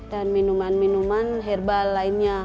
dan minuman minuman herbal lainnya